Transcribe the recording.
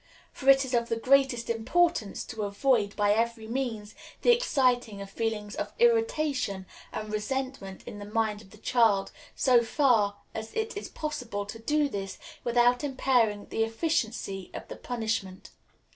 For it is of the greatest importance to avoid, by every means, the exciting of feelings of irritation and resentment in the mind of the child, so far as it is possible to do this without impairing the efficiency of the punishment.